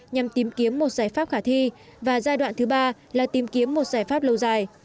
nhằm tìm kiếm một giải pháp khả thi và giai đoạn thứ ba là tìm kiếm một giải pháp lâu dài